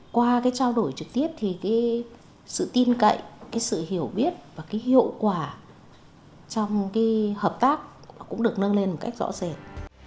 qua cái trao đổi trực tiếp thì cái sự tin cậy cái sự hiểu biết và cái hiệu quả trong cái hợp tác cũng được nâng lên một cách rõ rệt